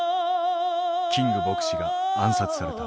キング牧師が暗殺された。